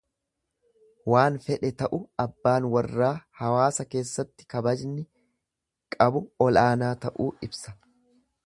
Waan fedhe ta'u abbaan warraa hawaasa keessatti kabajni qabu olaanaa ta'uu ibsa.